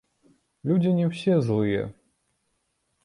Людзі не ўсе злыя.